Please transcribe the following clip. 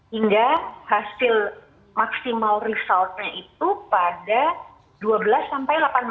hingga hasil maksimal result nya itu pada dua belas sampai delapan belas tahun